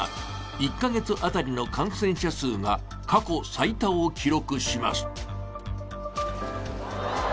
１か月当たりの感染者数が過去最多を記録します。